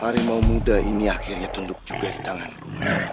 harimau muda ini akhirnya tunduk juga di tanganku